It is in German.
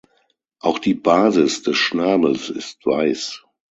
Auch die Basis des Schnabels ist weiß.